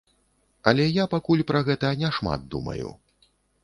Але я пакуль пра гэта не шмат думаю.